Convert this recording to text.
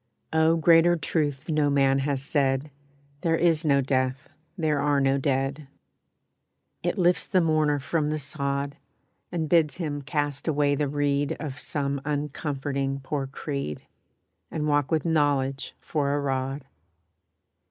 Oh, greater truth no man has said, "There is no death, there are no dead." It lifts the mourner from the sod, And bids him cast away the reed Of some uncomforting poor creed, And walk with Knowledge for a rod.